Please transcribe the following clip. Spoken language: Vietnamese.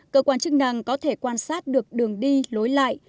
cơ quan chức năng có thể quan sát được đường đi lối lại